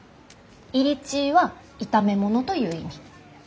「イリチー」は炒め物という意味。